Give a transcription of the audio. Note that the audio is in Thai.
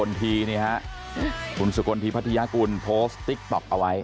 มีคุณสุกรณ์ทีพระทิยากุลโพสติ๊กต๊อกเอาไว้